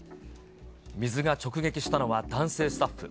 水が直撃したのは、男性スタッフ。